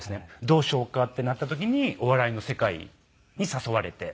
どうしようか？ってなった時にお笑いの世界に誘われて。